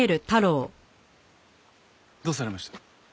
どうされました？